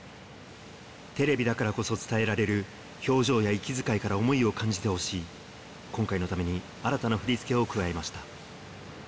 テレビだからこそ伝えられる、表情や息遣いから想いを感じてほしい、今回のために新たな振り付けを加えました。